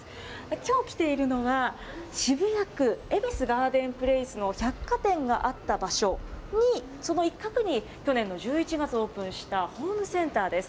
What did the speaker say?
きょう来ているのは、渋谷区恵比寿ガーデンプレイスの百貨店があった場所に、その一角に去年の１１月オープンしたホームセンターです。